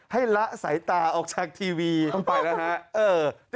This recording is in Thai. ให้ละสายตาออกจากทีวีไปแล้วฮะ